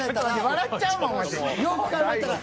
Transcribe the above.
笑っちゃうもんワシ。